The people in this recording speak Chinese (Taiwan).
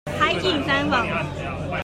海景三房